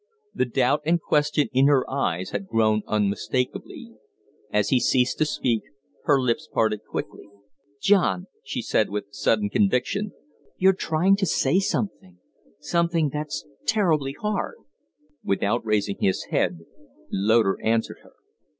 The doubt and question in her eyes had grown unmistakably. As he ceased to speak her lips parted quickly. "John," she said, with sudden conviction, "you're trying to say something something that's terribly hard." Without raising his head, Loder answered her.